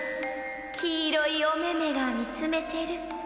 「きいろいおめめがみつめてる。